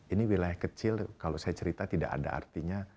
ini wilayah kecil kalau saya cerita tidak ada artinya